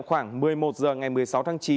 khoảng một mươi một h ngày một mươi sáu tháng chín